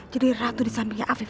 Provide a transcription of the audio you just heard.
jadi ratu di sampingnya afif